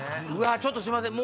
ちょっとすいません。